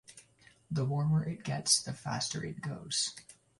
The warmer it is, the faster it goes.